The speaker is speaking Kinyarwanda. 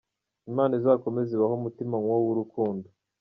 Imana izakomeze ibahe umutima nkuwo w’urukundo.